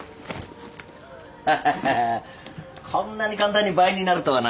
ハハハハこんなに簡単に倍になるとはな。